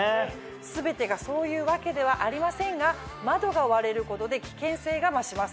全てがそういうわけではありませんが窓が割れることで危険性が増します。